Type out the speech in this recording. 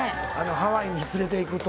ハワイに連れて行くと。